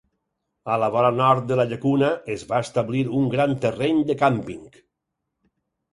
A la vora nord de la llacuna es va establir un gran terreny de càmping.